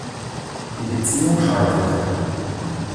Die Beziehung scheitert.